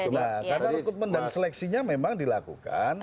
karena rekrutmen dan seleksinya memang dilakukan